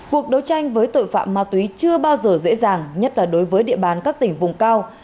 cuộc đấu tranh với tội phạm ma túy chưa bao giờ dễ dàng nhất là đối với địa bàn các tỉnh vùng cao